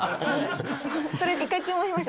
それで１回注文しました。